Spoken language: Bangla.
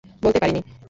বলতে পারি নি।